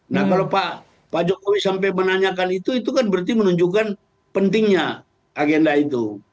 nah kalau pak jokowi sampai menanyakan itu itu kan berarti menunjukkan pentingnya agenda itu